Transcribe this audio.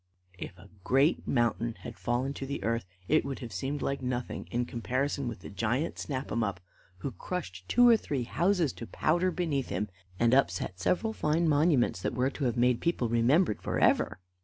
If a great mountain had fallen to the earth it would have seemed like nothing in comparison with the giant Snap em up, who crushed two or three houses to powder beneath him, and upset several fine monuments that were to have made people remembered for ever.